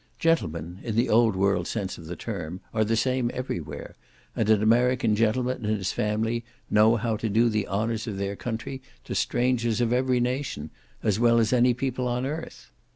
Gentlemen, in the old world sense of the term, are the same every where; and an American gentleman and his family know how to do the honours of their country to strangers of every nation, as well as any people on earth.